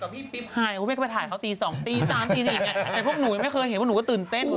ทะเลกับพี่ปิ๊บไฮมาถ่ายเค้าอีกนี้ตี๓๔แต่พวกหนูไม่เคยเห็นพวกหนูก็ตื่นเต้น